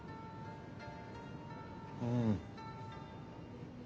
うん。